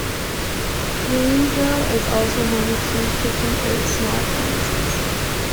Greenville is also home to KitchenAid small appliances.